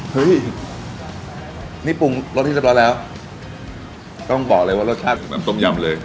เฮ้ยนี่ปรุงรสที่เรียบร้อยแล้วต้องบอกเลยว่ารสชาติเหมือนต้มยำเลย